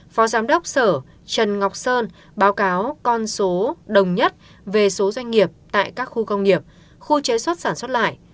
phó giám đốc sở trần ngọc sơn báo cáo con số đồng nhất về số doanh nghiệp tại các khu công nghiệp khu chế xuất sản xuất lại